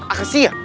ah ke si ya